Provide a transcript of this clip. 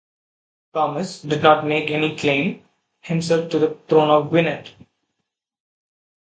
Tomas did not make any claim himself to the throne of Gwynedd.